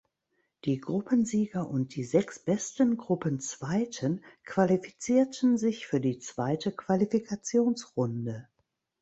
Die Gruppensieger und die sechs besten Gruppenzweiten qualifizierten sich für die zweite Qualifikationsrunde.